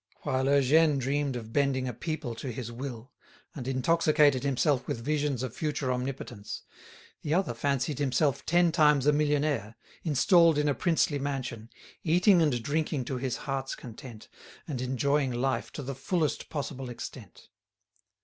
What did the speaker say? While Eugène dreamed of bending a people to his will, and intoxicated himself with visions of future omnipotence, the other fancied himself ten times a millionaire, installed in a princely mansion, eating and drinking to his heart's content, and enjoying life to the fullest possible extent.